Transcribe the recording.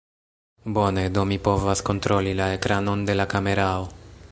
Bone, do mi povas kontroli la ekranon de la kamerao.